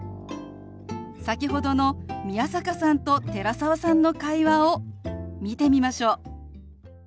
先ほどの宮坂さんと寺澤さんの会話を見てみましょう。